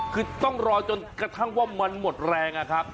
คือต้องรอจนกระทั่งว่ามันหมดแรงนะครับ